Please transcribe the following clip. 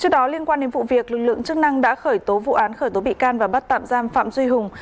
trước đó liên quan đến vụ việc lực lượng chức năng đã khởi tố vụ án khởi tố bị can và bắt tạm giam phạm duy hùng